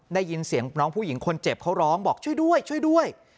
ได้ยินเสียงน้องผู้หญิงคนเจ็บเขาร้องบอกช่วยด้วยช่วยด้วย